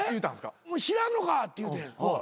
お前知らんのかって言うてん。